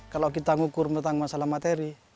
kalau kita ngukur tentang masalah materi